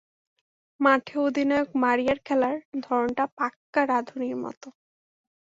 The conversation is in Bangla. মাঠে অধিনায়ক মারিয়ার খেলার ধরনটা পাক্কা রাঁধুনির মতো।